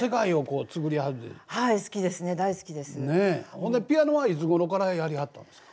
ほんでピアノはいつごろからやりはったんですか？